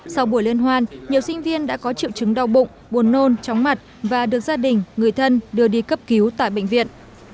sau buổi liên hoan nhiều sinh viên đã có triệu chứng đau bụng buồn nôn chóng mặt và được gia đình người thân đưa đi cấp cứu tại bệnh viện